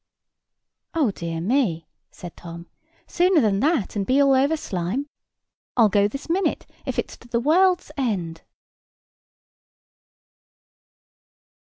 "Oh, dear me!" said Tom; "sooner than that, and be all over slime, I'll go this minute, if it is to the world's end."